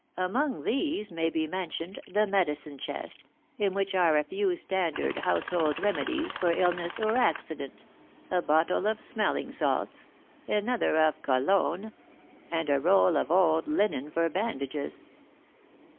Among these may be mentioned the medicine chest, in which are a few standard household remedies for illness or accident, a bottle of smelling salts, another of cologne, and a roll of old linen for bandages.